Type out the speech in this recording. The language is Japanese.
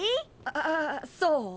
ああそう？